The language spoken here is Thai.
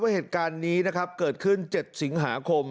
ว่าเหตุการณ์นี้เกิดขึ้น๗สิงหาคม